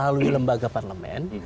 di lembaga parlemen